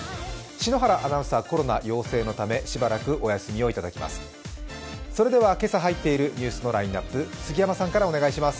篠原アナウンサー、コロナ陽性のため、しばらくお休みをいただきます。